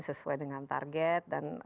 sesuai dengan target dan